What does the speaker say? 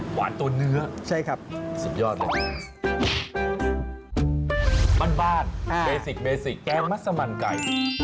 หวานตัวเนื้อสุดยอดเลยครับบ้านแบซิกแกงมัสสะมันไก่